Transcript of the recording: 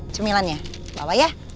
cemilannya bawa ya